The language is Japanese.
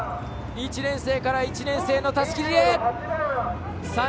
１年生から１年生へのたすきリレー。